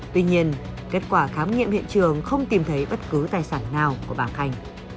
tuy nhiên kết quả khám nghiệm hiện trường không tìm thấy bất cứ tài sản